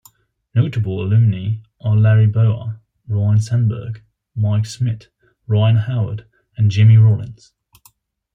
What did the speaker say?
Notable alumni are Larry Bowa, Ryne Sandberg, Mike Schmidt, Ryan Howard, and Jimmy Rollins.